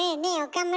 岡村。